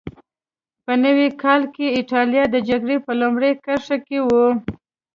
په نوي کال کې اېټالیا د جګړې په لومړۍ کرښه کې وه.